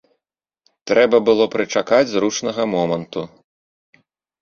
Трэба было прычакаць зручнага моманту.